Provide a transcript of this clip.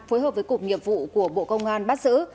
phối hợp với cục nghiệp vụ của bộ công an bắt giữ